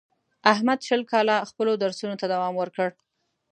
احمد شل کاله خپلو درسونو ته دوام ورکړ.